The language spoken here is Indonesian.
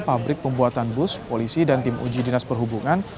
pabrik pembuatan bus polisi dan tim uji dinas perhubungan